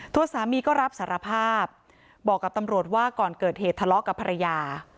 ตัวสามีก็รับสารภาพบอกกับตำรวจว่าก่อนเกิดเหตุทะเลาะกับภรรยา